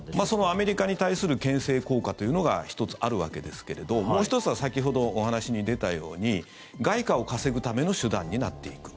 アメリカに対するけん制効果というのが１つ、あるわけですけれどもう１つは先ほどお話に出たように外貨を稼ぐための手段になっていく。